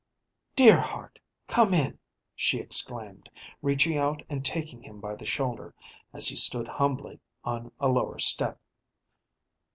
"Dear heart, come in!" she exclaimed, reaching out and taking him by the shoulder, as he stood humbly on a lower step.